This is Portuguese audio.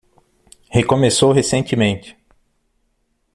Recomeçou recentemente